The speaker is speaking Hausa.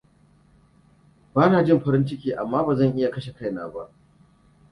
Bana jin farin ciki, amma ba zan iya kashe kaina ba.